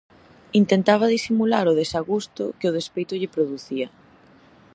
Intentaba disimular o desgusto que o despeito lle producía.